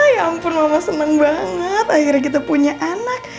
ya ampun mama seneng banget akhirnya kita punya anak